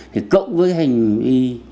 thì cộng với cái hành vi